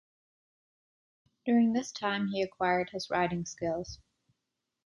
During this time he acquired his writing skills.